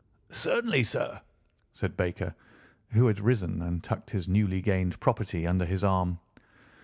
"Certainly, sir," said Baker, who had risen and tucked his newly gained property under his arm.